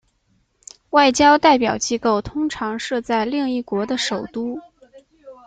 外交代表机构通常设在另一国的首都。